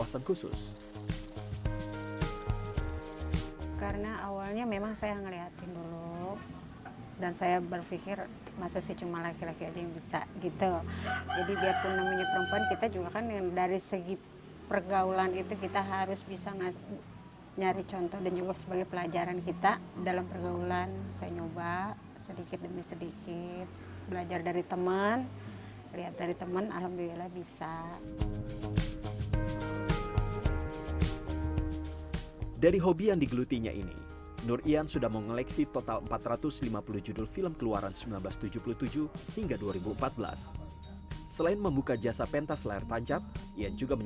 satu judul dua judul satu judul dua judul saya beli terus pelan pelan